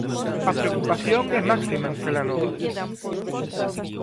A preocupación é máxima en Celanova.